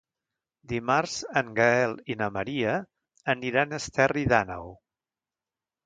Dimarts en Gaël i na Maria aniran a Esterri d'Àneu.